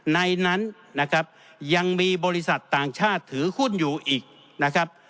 ในนั้นยังมีบริษัทต่างชาติถือหุ้นอยู่อีก